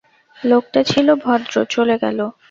লোকটা ছিল ভদ্র, চলে গেল।